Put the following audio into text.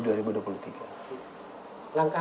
langkah langkah yang dilakukan